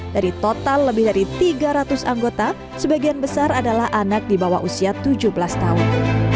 dari total lebih dari tiga ratus anggota sebagian besar adalah anak di bawah usia tujuh belas tahun